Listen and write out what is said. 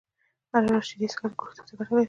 هره ورځ شيدې څښل روغتيا ته گټه لري